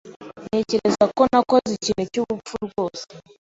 Ntekereza ko nakoze ikintu cyubupfu rwose.